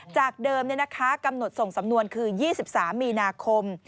จากเดิมกำหนดส่งสำนวนคือ๒๓มีนาคม